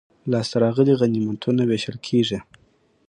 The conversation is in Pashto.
لاسته راغلي غنیمتونه وېشل کیږي.